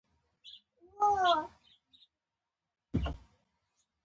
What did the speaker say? د افغانستان طبیعت له منی څخه جوړ شوی دی.